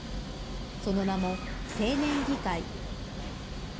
その名も、青年議会。